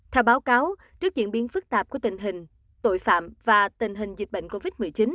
theo báo cáo trước diễn biến phức tạp của tình hình tội phạm và tình hình dịch bệnh covid một mươi chín